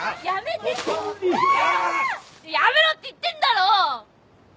やめろって言ってんだろ！